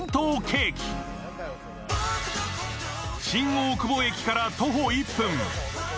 新大久保駅から徒歩１分。